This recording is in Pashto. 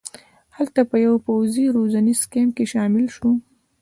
هلته په یوه پوځي روزنیز کمپ کې شامل شو.